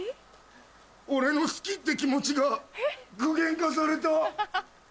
俺の好きって気持ちが具現化された。